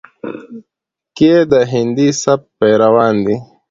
کې د هندي سبک پېروان دي،